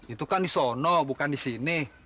itu kan di sono bukan di sini